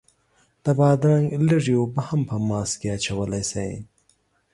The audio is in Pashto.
د بادرنګ لږې اوبه هم په ماسک کې اچولی شئ.